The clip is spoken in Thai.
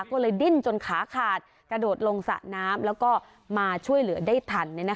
ก็เลยดิ้นจนขาขาดกระโดดลงสระน้ำแล้วก็มาช่วยเหลือได้ทัน